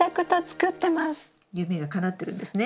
夢がかなってるんですね。